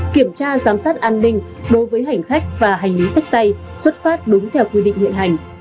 kiểm tra giám sát an ninh đối với hành khách và hành lý sách tay xuất phát đúng theo quy định hiện hành